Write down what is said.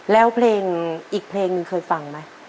แล้วเพลงอีกเพลงหนึ่งเคยฟังไหม